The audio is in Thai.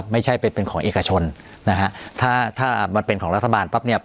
ไม่ใช่เป็นของเอกชนนะฮะถ้าถ้ามันเป็นของรัฐบาลปั๊บเนี่ย